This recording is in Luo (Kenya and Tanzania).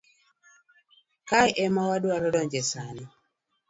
Kae ema wadwaro donje sani.